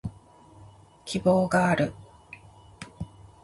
希望がある